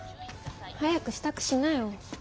早く支度しなよ。